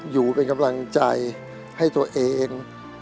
อยู่เป็นกำลังใจให้ตัวเอง